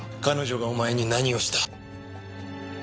彼女がお前に何をした？